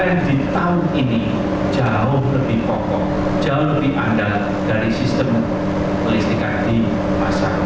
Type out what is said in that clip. sistem kelistrikan pln di tahun ini jauh lebih pokok jauh lebih andal dari sistem kelistrikan di masa lalu